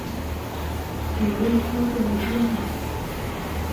指令操作和编码